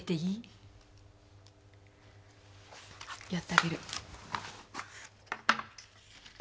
やってあげる。